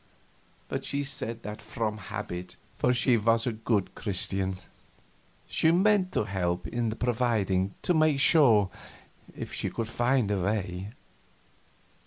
But she said that from habit, for she was a good Christian. She meant to help in the providing, to make sure, if she could find a way.